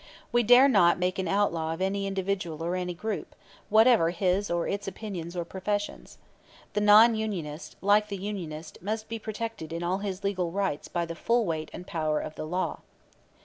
We dare not make an outlaw of any individual or any group, whatever his or its opinions or professions. The non unionist, like the unionist, must be protected in all his legal rights by the full weight and power of the law.